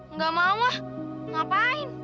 eh gak mau ah ngapain